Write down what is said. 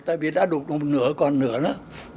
tại vì đã đục được một nửa còn nửa nữa